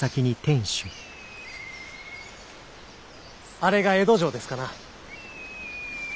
あれが江戸城ですかな。